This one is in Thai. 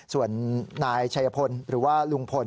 ส่วนนายชัยพลหรือว่าลุงพล